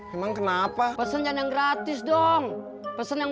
emang kenapa pesan yang gratis dong pesen yang